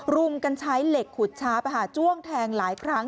รุมกันใช้เหล็กขุดช้าไปหาจ้วงแทงหลายครั้ง